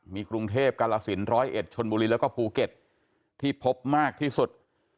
มีกรุงเทพฯกราศิลป์๑๐๑ชนบุรีแล้วก็ภูเก็ตที่พบมากที่สุด